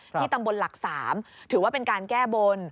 ตำบลหลัก๓ถือว่าเป็นการแก้บน